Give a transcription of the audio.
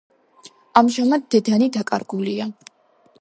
ამჟამად დედანი დაკარგულია.